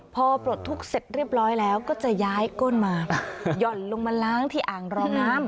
พอปลดทุกข์เสร็จเรียบร้อยแล้วก็จะย้ายก้นมาหย่อนลงมาล้างที่อ่างรองน้ำ